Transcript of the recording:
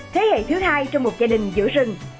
thế hệ thứ hai trong một gia đình giữa rừng